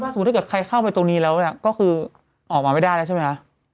ถ้าเกิดใครเข้าไปตรงนี้แล้วเนี่ยก็คือออกมาไม่ได้แล้วใช่ไหมคะ